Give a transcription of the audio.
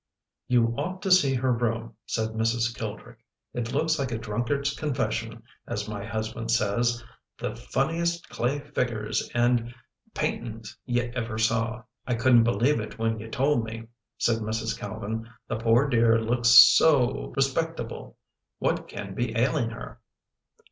11 You ought to see her room," said Mrs. Kildrick. " It looks like a drunkard's confession, as my husband says, " the funniest clay Aggers and paintins you ever saw." " I couldn't believe it when you told me," said Mrs. Calvin, " the poor dear looks so o respectable — what can be ailing her?